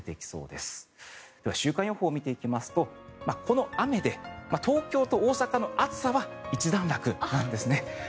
では、週間予報を見ていきますとこの雨で東京と大阪の暑さは一段落なんですね。